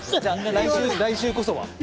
来週こそは。